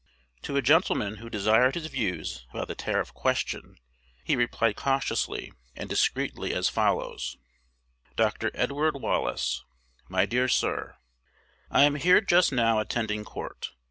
To a gentleman who desired his views about the tariff question, he replied cautiously and discreetly as follows: Dr. Edward Wallace. My dear Sir, I am here just now attending court.